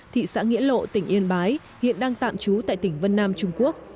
thị xã nghĩa lộ tỉnh yên bái hiện đang tạm trú tại tỉnh vân nam trung quốc